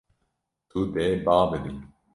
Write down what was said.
Tu dê ba bidî.